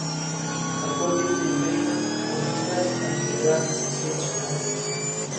Imposible pensar en Santa Anna sin pensar en Manga de Clavo.